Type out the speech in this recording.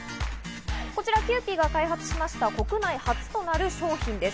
こちらキユーピーが開発しました国内初となる商品です。